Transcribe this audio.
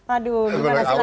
aduh gimana silahkan